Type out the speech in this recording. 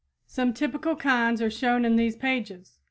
Some typical kinds are shown in these pages.